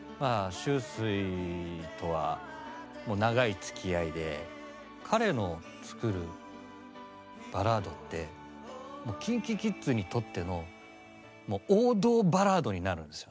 Ｓｈｕｓｕｉとはもう長いつきあいで彼の作るバラードってもうＫｉｎＫｉＫｉｄｓにとってのもう王道バラードになるんですよね。